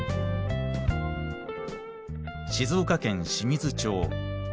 静岡県清水町。